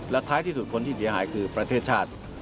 และท้ายที่สุดคนที่เสียหายคือประเทศชาติ